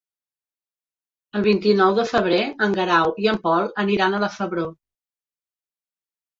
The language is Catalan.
El vint-i-nou de febrer en Guerau i en Pol aniran a la Febró.